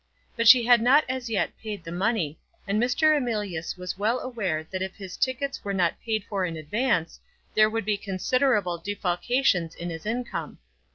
But she had not as yet paid the money, and Mr. Emilius was well aware that if his tickets were not paid for in advance, there would be considerable defalcations in his income.